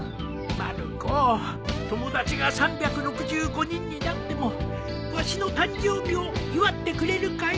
まる子友達が３６５人になってもわしの誕生日を祝ってくれるかい？